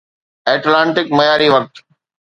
Atlantic معياري وقت